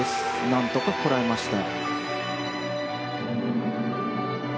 なんとかこらえました。